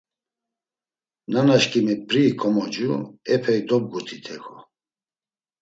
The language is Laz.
Nanaşǩimi p̌ri ikomocu epey dobgutit heko.